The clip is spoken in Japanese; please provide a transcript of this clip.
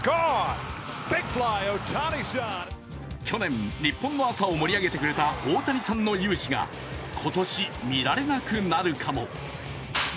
去年、日本の朝を盛り上げてくれた大谷さんの雄姿が今年、見られなくなるかも。